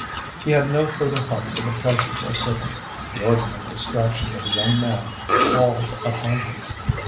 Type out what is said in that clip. He had no further heart for the pleasures of Sydney—the ordinary distractions of a young man palled upon him.